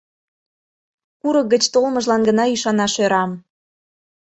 — Курык гыч толмыжлан гына ӱшанаш ӧрам.